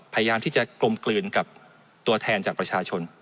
พยายามที่จะกลมกลืนกับตัวแทนจากประชาชน